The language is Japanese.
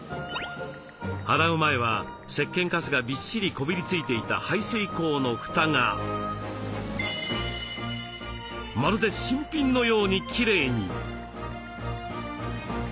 洗う前はせっけんカスがびっしりこびりついていた排水溝の蓋がまるで新品のようにきれいに。